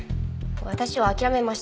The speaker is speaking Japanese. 私は諦めました。